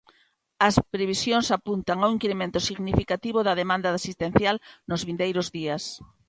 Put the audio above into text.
As previsión apuntan a un incremento significativo da demanda asistencial nos vindeiros días.